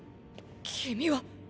君は！！